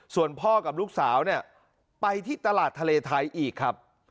ส่วนพ่อกับลูกสาวเนี่ยไปที่ตลาดทะเลไทยอีกครับ